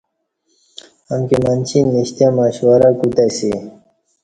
امکی منچی نشتے مشورہ کوتہ اسی